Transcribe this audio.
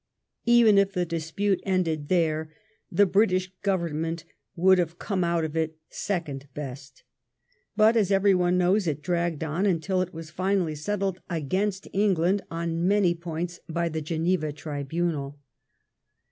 Even if the dispnie ended there, the British Oovemment would have come out of it second best ; bQt» as everyone knows, it dragged on until it was finally settled against England on most points by the Geneva tribunal.